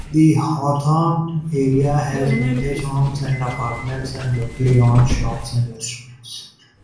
The Hawthorne area has vintage homes and apartments and locally owned shops and restaurants.